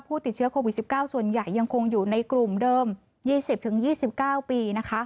ติดเชื้อโควิด๑๙ส่วนใหญ่ยังคงอยู่ในกลุ่มเดิม๒๐๒๙ปี